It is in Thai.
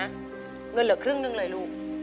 เหลือครึ่งหนึ่งเลยลูก